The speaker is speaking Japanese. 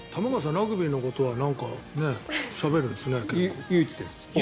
ラグビーのことはしゃべるんですね。